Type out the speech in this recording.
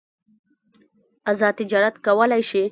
ازاد تجارت کولای شي.